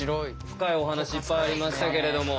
深いお話いっぱいありましたけれども。